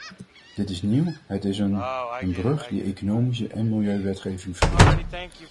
Dit is nieuw, het is een , een brug die economische en milieuwetgeving verbindt.